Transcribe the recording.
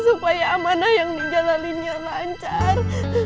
supaya amanah yang dijalalinnya lancar